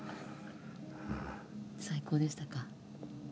最高でしたか？